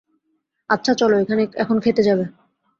আচ্ছা, চলো এখন খেতে যাবে।